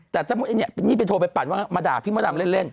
แต่ถ้าพวกนี้ที่โทรไปปรัญว่ามาด่าพี่มดำเล่น